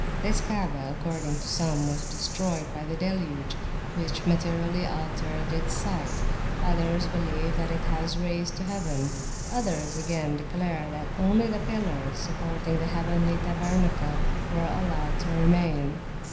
This Kaabah, according to some, was destroyed by the deluge, which materially altered its site. Others believe that it was raised to heaven. Others, again, declare that only the pillars supporting the heavenly tabernacle were allowed to remain.